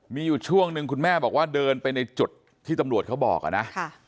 มีอยู่ช่วงหนึ่งคุณแม่บอกว่าเดินไปในจุดที่ตำรวจเขาบอกอะนะ